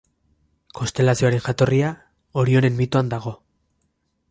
Konstelazioaren jatorria Orionen mitoan dago.